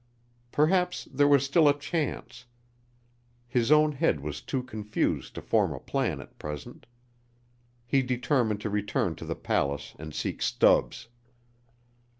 Perhaps there was still a chance. His own head was too confused to form a plan at present. He determined to return to the palace and seek Stubbs.